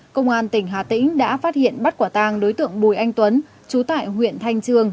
công an tỉnh hà tĩnh đã phát hiện bắt quả tang đối tượng bùi anh tuấn trú tại huyện thanh trương